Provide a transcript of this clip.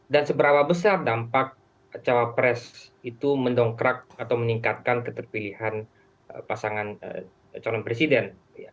dan seberapa besar dampak cawapres itu mendongkrak atau meningkatkan keterpilihan pasangan calon presiden